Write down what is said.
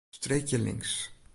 Streekje links.